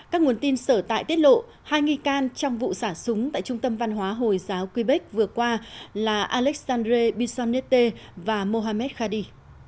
các nguồn tin sở tại tiết lộ hai nghi can trong vụ sả súng tại trung tâm văn hóa hồi giáo quebec vừa qua là alexandre bissonnette và mohamed khadi